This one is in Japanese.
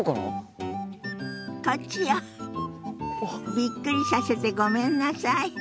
びっくりさせてごめんなさい。